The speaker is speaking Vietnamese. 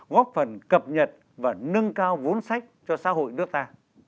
góp phần cập nhật và nâng cao vốn sách cho xã hội nước ta